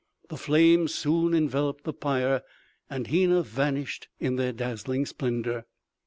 The flames soon enveloped the pyre and Hena vanished in their dazzling splendor.